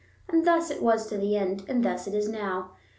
And thus it was to the end, and thus it is now.